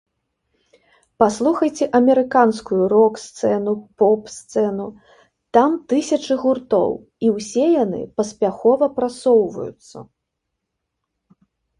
Паслухайце амерыканскую рок-сцэну, поп-сцэну, там тысячы гуртоў, і ўсе яны паспяхова прасоўваюцца.